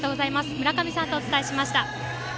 むらかみさんとお伝えしました。